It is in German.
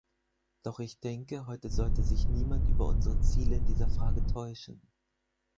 Doch ich denke, heute sollte sich niemand über unsere Ziele in dieser Frage täuschen.